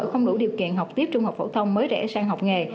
không đủ điều kiện học tiếp trung học phổ thông mới rẽ sang học nghề